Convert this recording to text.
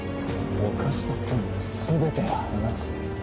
犯した罪を全て話せ。